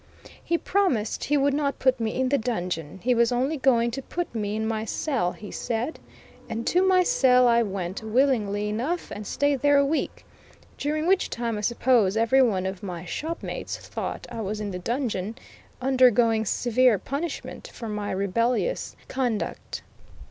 He promised he would not put me in the dungeon, he was only going to put me in my cell, he said, and to my cell I went, willingly enough, and stayed there a week, during which time I suppose everyone of my shopmates thought I was in the dungeon, undergoing severe punishment for my rebellions conduct.